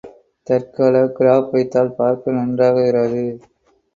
தற்கால கிராப் வைத்தால் பார்க்க நன்றாக இராது.